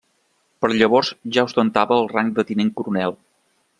Per a llavors ja ostentava el rang de tinent coronel.